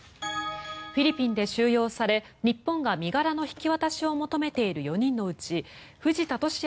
フィリピンで収容され日本が身柄の引き渡しを求めている４人のうち藤田聖也